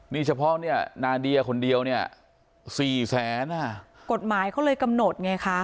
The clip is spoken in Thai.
นี่เฉพาะเนี่ยนาเดียคนเดียวเนี่ยสี่แสนอ่ะกฎหมายเขาเลยกำหนดไงคะ